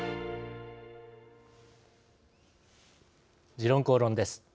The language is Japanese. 「時論公論」です。